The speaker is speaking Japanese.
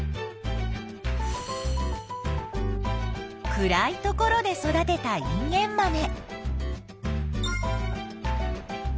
暗い所で育てたインゲンマメ。